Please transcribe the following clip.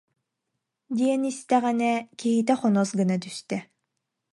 диэн истэҕинэ, киһитэ хонос гына түстэ